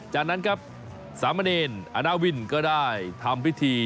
จากนั้นครับสามเณรอนาวินก็ได้ทำพิธี